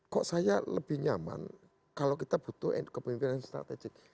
kok saya lebih nyaman kalau kita butuh kepemimpinan strategik